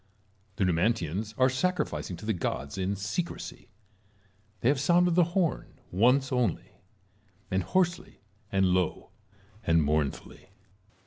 The Numantians are sacrificing to the gods in secrecy ; they have sounded the horn once only, — and hoarsely and low and mournfully.